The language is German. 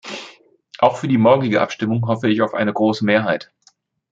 Auch für die morgige Abstimmung hoffe ich auf eine große Mehrheit.